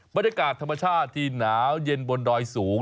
บรรยากาศธรรมชาติที่หนาวเย็นบนดอยสูง